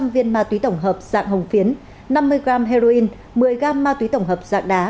sáu trăm linh viên ma túy tổng hợp dạng hồng phiến năm mươi g heroin một mươi g ma túy tổng hợp dạng đá